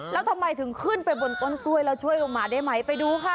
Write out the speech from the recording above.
แล้วทำไมถึงขึ้นไปบนต้นกล้วยแล้วช่วยลงมาได้ไหมไปดูค่ะ